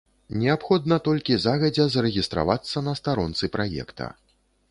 Неабходна толькі загадзя зарэгістравацца на старонцы праекта.